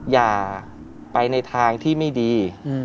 อย่าไปในทางที่ไม่ดี